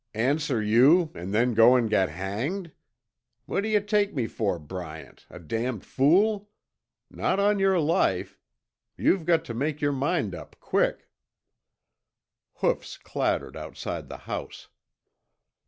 "Answer you an' then go an' get hanged? What d'ya take me for, Bryant, a damned fool? Not on your life! You've got to make your mind up quick!" Hoofs clattered outside the house.